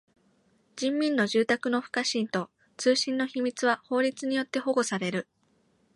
人民の住宅の不可侵と通信の秘密は法律によって保護される。